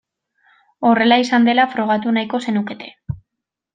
Horrela izan dela frogatu nahiko zenukete.